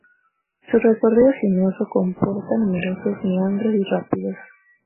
Su recorrido sinuoso comporta numerosos meandros y rápidos.